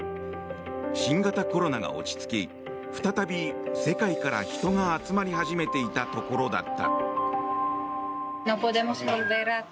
新型コロナが落ち着き再び世界から人が集まり始めていたところだった。